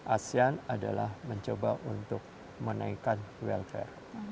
asean adalah mencoba untuk menaikkan welfare